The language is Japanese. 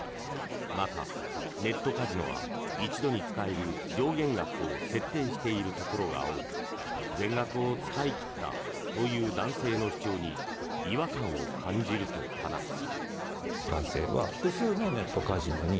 また、ネットカジノは一度に使える上限額を設定しているところが多く全額を使い切ったという男性の主張に違和感を感じると話す。